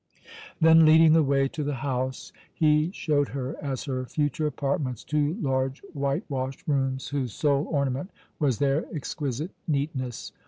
Then, leading the way to the house, he showed her as her future apartments two large whitewashed rooms, whose sole ornament was their exquisite neatness.